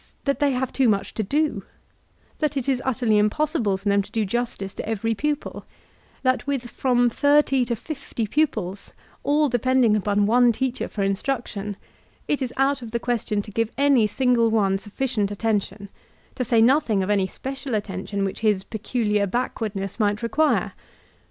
that they have too much to do ; that it is utterly impossible for them to do justice to every pupil ; that with from thirty to fifty pupib all depending upon on« teacher for instmc 334 yoLTAnnns db Cletu tion, it is out of the question to give any single one raf ficient attention, to say nothing of any special attention which his peculiar backwardness might require.